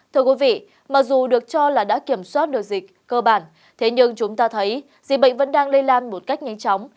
thưa quý vị mặc dù được cho là đã kiểm soát được dịch cơ bản thế nhưng chúng ta thấy dịch bệnh vẫn đang lây lan một cách nhanh chóng